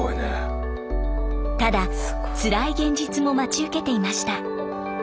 ただつらい現実も待ち受けていました。